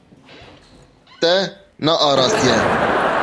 Te nearastiye.